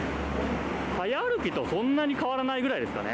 早歩きとそんなに変わらないぐらいですかね。